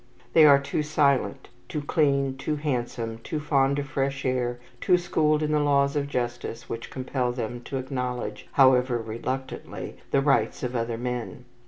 They are too silent, too clean, too handsome, too fond of fresh air, too schooled in the laws of justice which compel them to acknowledge however reluctantly the rights of other men.